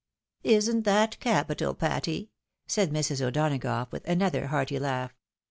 " Isn't that capital, Patty ?" said Mrs. O'Donagough, with another hearty laugh.